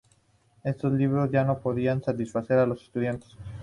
Estos libros ya no podían satisfacer a los estudiantes.